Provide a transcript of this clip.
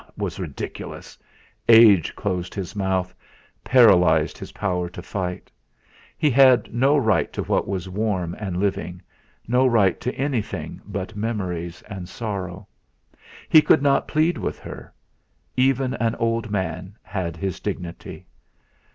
It was ridiculous! Age closed his mouth, paralysed his power to fight. He had no right to what was warm and living, no right to anything but memories and sorrow. He could not plead with her; even an old man has his dignity.